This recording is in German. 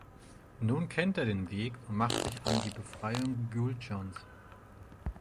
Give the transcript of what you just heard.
Nun kennt er den Weg und macht sich an die Befreiung Gjuldschans.